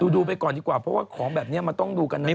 ดูไปก่อนดีกว่าเพราะว่าของแบบนี้มันต้องดูกันนะ